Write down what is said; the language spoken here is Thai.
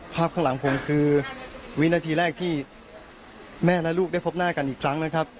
ข้างหลังผมคือวินาทีแรกที่แม่และลูกได้พบหน้ากันอีกครั้งนะครับ